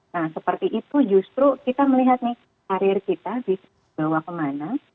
nah seperti itu justru kita melihat nih karir kita dibawa kemana